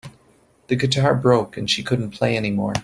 The guitar broke and she couldn't play anymore.